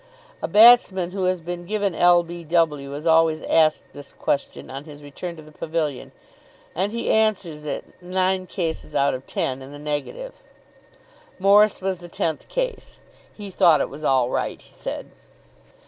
A batsman who has been given l. b. w. is always asked this question on his return to the pavilion, and he answers it in nine cases out of ten in the negative. Morris was the tenth case. He thought it was all right, he said.